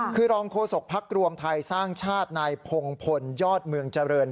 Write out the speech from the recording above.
คือรองโคศกพรรครวมไทยสร้างชาติในผงพลยอดเมืองเจริญ